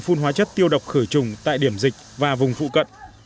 phun hóa chất tiêu độc khử trùng tại điểm dịch và vùng phụ cận